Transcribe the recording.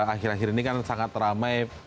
akhir akhir ini kan sangat ramai